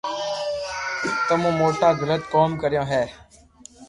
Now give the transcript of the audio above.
تمو موٽو غلط ڪوم ڪريو ھي